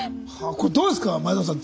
これどうですか前園さん。